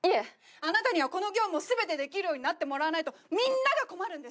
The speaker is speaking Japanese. あなたにはこの業務を全てできるようになってもらわないとみんなが困るんです。